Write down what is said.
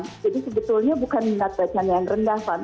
jadi sebetulnya bukan minat baca yang rendah kan